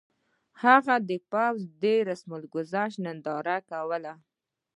هغه د پوځ د رسم ګذشت ننداره کوله.